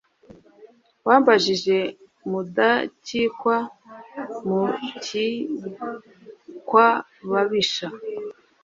wambajije mudakikwa na mukikwababisha,